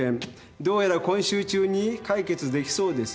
どうやら今週中に解決できそうです。